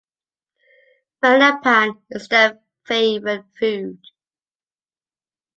Melonpan it’s their favorite food.